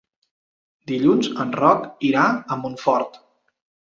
Dilluns en Roc irà a Montfort.